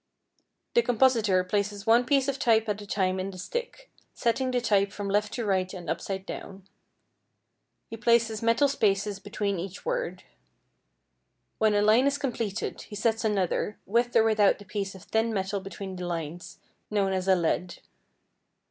The compositor places one piece of type at a time in the stick, setting the type from left to right and upside down. He places metal spaces between each word. When a line is completed, he sets another, with or without a piece of thin metal between the lines, known as a lead.